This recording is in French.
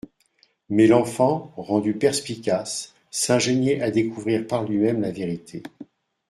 Mais l'enfant, rendu perspicace, s'ingéniait à découvrir par lui-même la vérité.